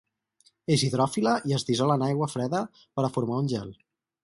És hidròfila i es dissol en aigua freda per a formar un gel.